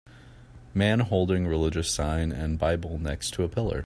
Man holding religious sign and bible next to a pillar.